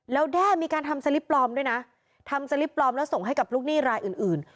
แล้วแด้มีการทำสลิปปลอมด้วยนะทำสลิปปลอมแล้วส่งให้กับลูกหนี้รายอื่นอื่น